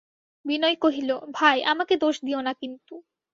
বিনয় কহিল, ভাই, আমাকে দোষ দিয়ো না কিন্তু।